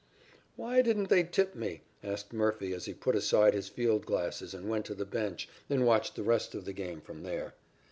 "'Why didn't they tip me?' asked Murphy as he put aside his field glasses and went to the bench and watched the rest of the game from there.